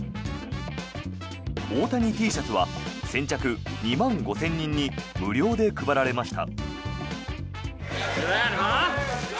大谷Ｔシャツは先着２万５０００人に無料で配られました。